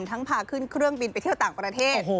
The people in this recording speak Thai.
พาขึ้นเครื่องบินไปเที่ยวต่างประเทศ